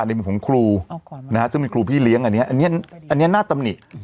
ในมุมของครูเอาก่อนนะฮะซึ่งมีครูพี่เลี้ยงอันเนี้ยอันเนี้ยอันเนี้ยหน้าตำนิ